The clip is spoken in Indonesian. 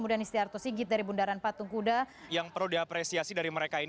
marketplace yang sudah terbuka